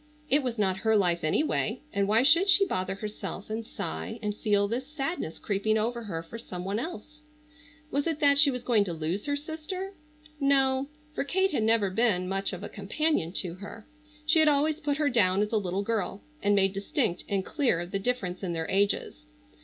It was not her life anyway, and why should she bother herself and sigh and feel this sadness creeping over her for some one else? Was it that she was going to lose her sister? No, for Kate had never been much of a companion to her. She had always put her down as a little girl and made distinct and clear the difference in their ages.